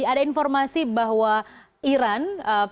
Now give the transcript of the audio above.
ada informasi bahwa iran